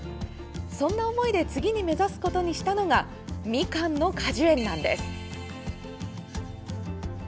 そんな思いで次に目指すことにしたのがみかんの果樹園なんです。